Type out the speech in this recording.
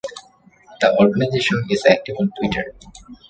The organization is active on Twitter.